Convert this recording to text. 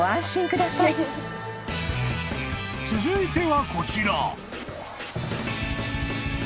［続いてはこちら］